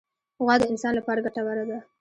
غوا د انسان له پاره ګټوره ده.